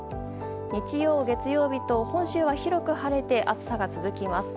日曜、月曜日と本州は広く晴れて暑さが続きます。